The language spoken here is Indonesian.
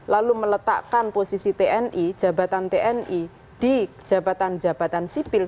lalu meletakkan posisi tni jabatan tni di jabatan jabatan sipil